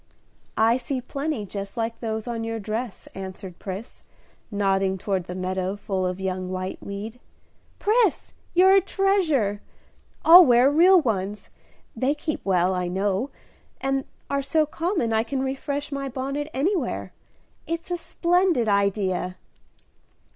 "I see plenty just like those on your dress," answered Pris, nodding toward the meadow full of young whiteweed. "Pris, you're a treasure! I'll wear real ones; they keep well, I know, and are so common I can refresh my bonnet anywhere. It's a splendid idea."